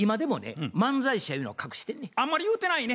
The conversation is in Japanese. あんまり言うてないね。